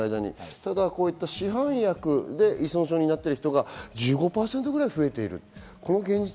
ただ市販薬で依存症になっている人が１５％ぐらい増えています。